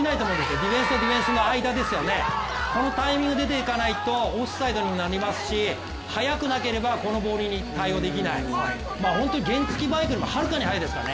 ディフェンスとディフェンスの間ですよね、このタイミングで出ていかないとオフサイドになりますし速くなければこのボールに対応できない、本当に原付きバイクよりもはるかに速いですからね